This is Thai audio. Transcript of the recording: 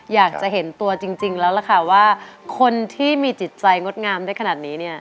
อยากจะเห็นตัวจริงแล้วล่ะค่ะว่าคนที่มีจิตใจงดงามได้ขนาดนี้เนี่ย